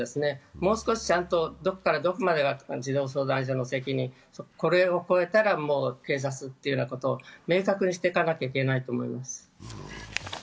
もう少しちゃんと、どこからどこまでが児童相談所の責任、これを超えたら警察ということを明確にしておかなきゃいけないと思います。